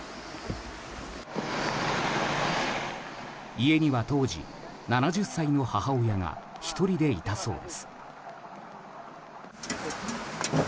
家には当時、７０歳の母親が１人でいたそうです。